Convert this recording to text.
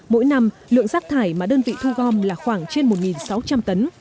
mỗi năm lượng rác thải mà đơn vị thu gom là khoảng trên một sáu trăm linh tấn